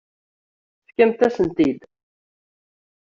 Tefkamt-asent-t-id.